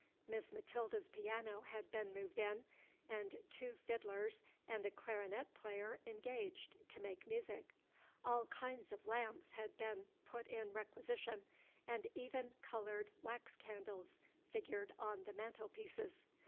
Miss Matilda's piano had been moved in, and two fiddlers and a clarionet player engaged to make music. All kinds of lamps had been put in requisition, and even colored wax candles figured on the mantel pieces.